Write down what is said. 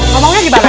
kalau mau lagi mana